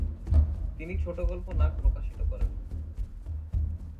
তিনি ছোটগল্প "নাক" প্রকাশিত করেন।